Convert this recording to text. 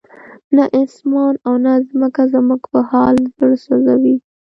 نه اسمان او نه ځمکه زموږ په حال زړه سوځوي.